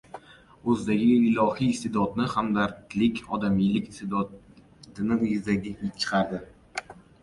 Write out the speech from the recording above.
o‘zidagi ilohiy iste’dodni – hamdardlik, odamiylik iste’dodini yuzaga chiqaradi.